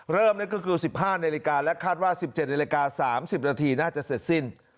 นั่นก็คือ๑๕นาฬิกาและคาดว่า๑๗นาฬิกา๓๐นาทีน่าจะเสร็จสิ้น